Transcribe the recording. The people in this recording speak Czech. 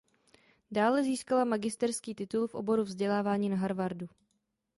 Dále získala magisterský titul v oboru vzdělávání na Harvardu.